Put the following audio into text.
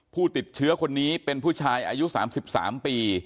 ผู้ติดเชื้อคนนี้เป็นผู้ชายอายุ๓๓ปี